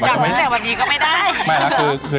ใช่มั้ยหรอ